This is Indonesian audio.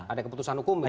ada keputusan hukum gitu ya